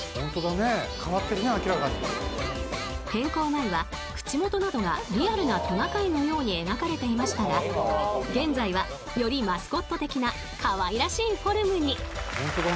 ［変更前は口元などがリアルなトナカイのように描かれていましたが現在はよりマスコット的なかわいらしいフォームに］